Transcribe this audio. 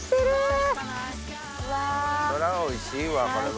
そらおいしいわこれは。